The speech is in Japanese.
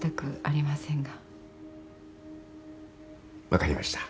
分かりました。